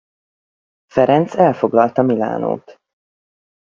Ferenc elfoglalta Milánót.